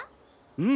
うん！